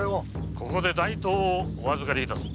ここで大刀をお預かり致す。